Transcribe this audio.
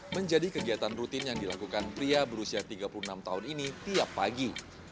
menjadi kegiatan rutin yang dilakukan pria berusia tiga puluh enam tahun ini tiap pagi